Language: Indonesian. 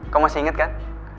kau masih ingat kan